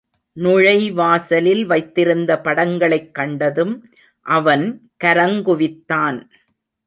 நுழைவாசலில் வைத்திருந்த படங்களைக் கண்டதும் அவன் கரங்குவித்தான்.